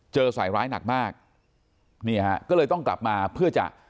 ใส่ร้ายหนักมากนี่ฮะก็เลยต้องกลับมาเพื่อจะ